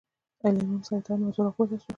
له امام څخه اطاعت موضوع راپورته شوه